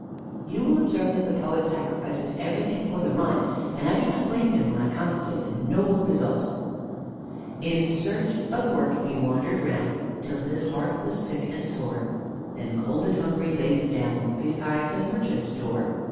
(You will observe that the poet sacrifices everything for the rhyme, and I do not blame him, when I contemplate the noble result): "In search of work he wandered round, Till his heart was sick and sore; Then cold and hungry laid him down Besides a Merchant's door.